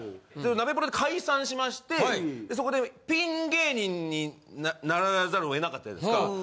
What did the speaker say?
ナベプロで解散しましてそこでピン芸人にならざるを得なかったですやんか。